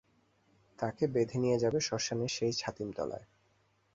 তাকে বেঁধে নিয়ে যাবে শ্মশানের সেই ছাতিমতলায়।